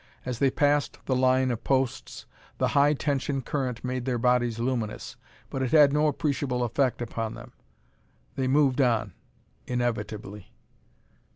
As they passed the line of posts, the high tension current made their bodies luminous, but it had no appreciable effect upon them. They moved on, inevitably.